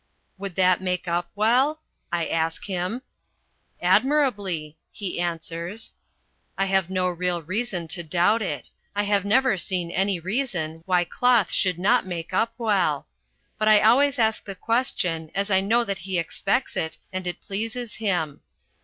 "Would that make up well?" I ask him. "Admirably," he answers. I have no real reason to doubt it. I have never seen any reason why cloth should not make up well. But I always ask the question as I know that he expects it and it pleases him.